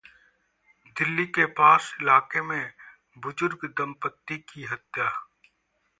दिल्ली के पॉश इलाके में बुजुर्ग दम्पति की हत्या